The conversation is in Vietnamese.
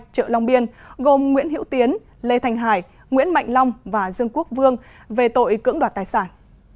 chợ long biên gồm nguyễn hiễu tiến lê thành hải nguyễn mạnh long và dương quốc vương về tội cưỡng đoạt tài sản